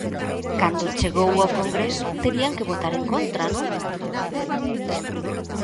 Cando chegou ao Congreso, terían que votar en contra, ¿non?